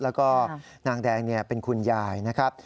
แล้วก็นางแดงเป็นคุณยายนะครับ